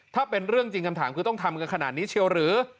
ถ้าเป็นเรื่องจริงคำถามคือต้องทำกันขนาดนี้เชียวหรือ